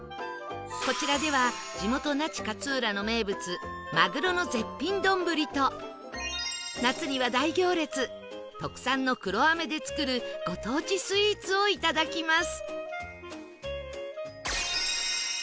こちらでは地元那智勝浦の名物まぐろの絶品丼と夏には大行列特産の黒飴で作るご当地スイーツをいただきます